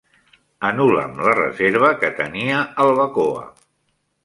Anul·la'm la reserva que tenia al Bacoa.